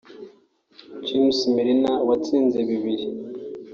James Milner watsinze bibiri